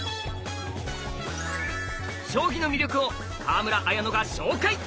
将棋の魅力を川村文乃が紹介！